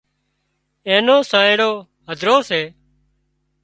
اين نو سانئيڙو هڌرو سي